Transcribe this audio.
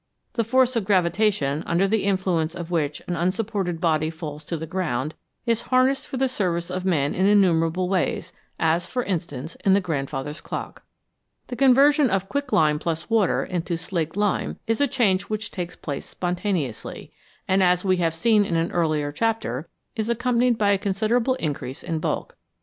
The force of gravitation, under the influence of which an unsupported body falls to the ground, is harnessed for the service of man in innumerable ways, as, for instance, in the grandfather's clock. The con version of quicklime + water into slaked lime is a change which takes place spontaneously, and, as we have seen in an earlier chapter, is accompanied by a considerable increase in bulk.